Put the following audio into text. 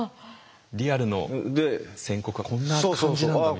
リアルの宣告はこんな感じなんだみたいな。